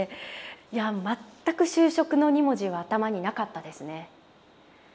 いや全く就職の２文字は頭になかったですね。